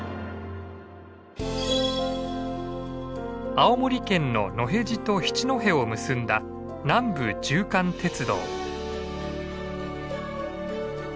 青森県の野辺地と七戸を結んだ南部縦貫鉄道。